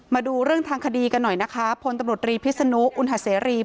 มาดูเรื่องทางคดีกันหน่อยนะคะพลตำรวจรีพิศนุอุณหาเสรี